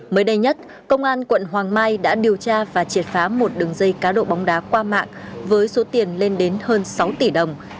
mới đây nhất công an quận hoàng mai đã điều tra và triệt phá một đường dây cá độ bóng đá qua mạng với số tiền lên đến hơn sáu tỷ đồng